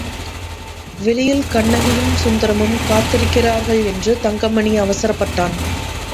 வெளியில் கண்ணகியும் சுந்தரமும் காத்திருக்கிறார்கள் என்று தங்கமணி அவசரப்பட்டான்.